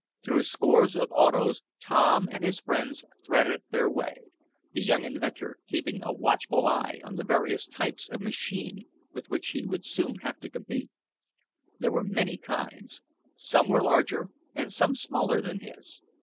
Through scores of autos Tom and his friends threaded their way, the young inventor keeping a watchful eye on the various types of machine with which he would soon have to compete. There were many kinds. Some were larger and some smaller than his.